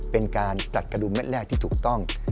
เป็นการตัดกระดุมเม็ดแรกที่ถูกต้อง